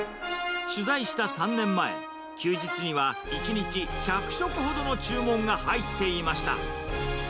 取材した３年前、休日には１日１００食ほどの注文が入っていました。